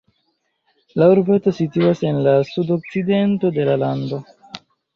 La urbeto situas en la sudokcidento de la lando.